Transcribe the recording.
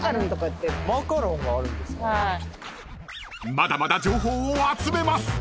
［まだまだ情報を集めます］